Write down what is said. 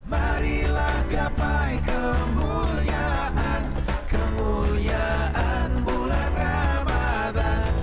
marilah gapai kemuliaan kemuliaan bulan ramadhan